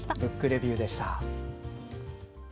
「ブックレビュー」でした。